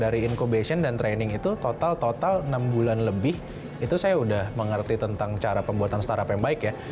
dari incubation dan training itu total total enam bulan lebih itu saya udah mengerti tentang cara pembuatan startup yang baik ya